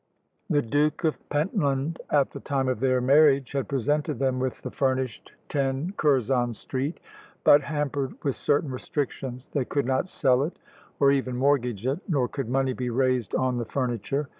The Duke of Pentland at the time of their marriage had presented them with the furnished "10, Curzon Street," but hampered with certain restrictions. They could not sell it, or even mortgage it, nor could money be raised on the furniture.